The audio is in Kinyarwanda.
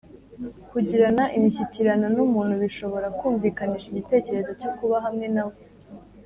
kugirana imishyikirano n umuntu bishobora kumvikanisha igitekerezo cyo kuba hamwe na we